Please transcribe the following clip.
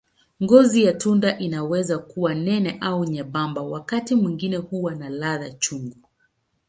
Ngozi ya tunda inaweza kuwa nene au nyembamba, wakati mwingine huwa na ladha chungu.